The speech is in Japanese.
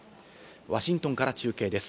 ワシントンから中継です。